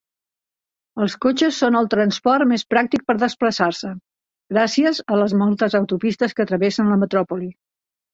Els cotxes són el transport més pràctic per desplaçar-se, gràcies a les moltes autopistes que travessen la metròpoli.